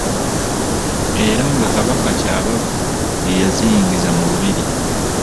Era nga Kabaka Kyabaggu ye yaziyingiza mu lubiri.